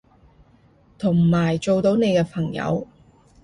同埋做到你嘅朋友